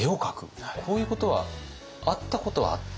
こういうことはあったことはあった？